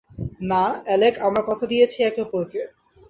না, অ্যালেক আমরা কথা দিয়েছি একে-অপরকে।